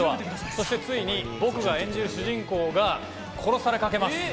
そしてついに僕が演じる主人公が殺されかけます。